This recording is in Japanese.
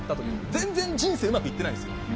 全然人生うまくいってないんですよ。